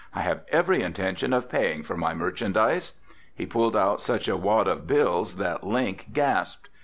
I have every intention of paying for my merchandise." He pulled out such a wad of bills that Link gasped.